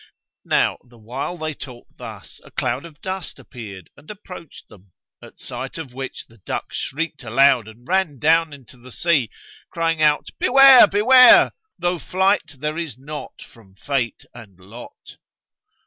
Now the while they talked thus, a cloud of dust appeared and approached them, at sight of which the duck shrieked aloud and ran down into the sea, crying out, "Beware! beware! though flight there is not from Fate and Lot!"